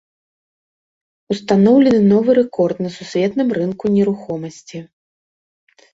Устаноўлены новы рэкорд на сусветным рынку нерухомасці.